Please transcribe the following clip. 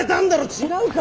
違うか？